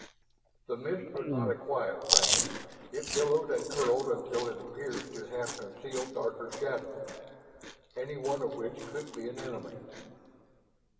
The mist was not a quiet thing; it billowed and curled until it appeared to half conceal darker shadows, any one of which could be an enemy.